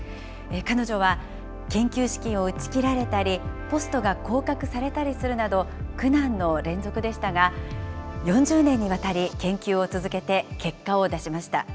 彼女は研究資金を打ち切られたり、ポストが降格されたりするなど、苦難の連続でしたが、４０年にわたり研究を続けて結果を出しました。